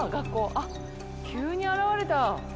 あっ、急に現れた。